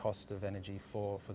usaha yang lebih rendah